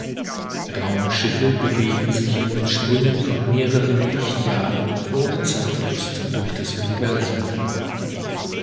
Raumschiffe bewegen sich in Sprüngen von mehreren Lichtjahren ohne Zeitverlust durch das Universum.